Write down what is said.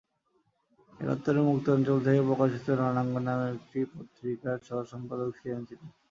একাত্তরে মুক্তাঞ্চল থেকে প্রকাশিত রণাঙ্গন নামের একটি পত্রিকার সহসম্পাদক ছিলেন তিনি।